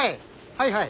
はいはい。